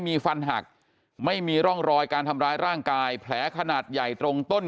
มีฟันหักไม่มีร่องรอยการทำร้ายร่างกายแผลขนาดใหญ่ตรงต้น